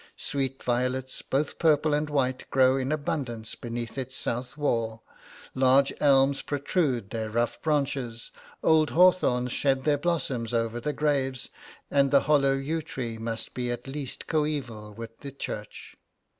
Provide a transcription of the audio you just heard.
Sweet violets, both purple and white, grow in abundance beneath its south wall. Large elms protrude their rough branches, old hawthorns shed their blossoms over the graves, and the hollow yew tree must be at least coëval with the church.'